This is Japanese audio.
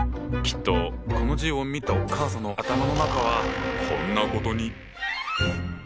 きっとこの字を見たお母さんの頭の中はこんなことに。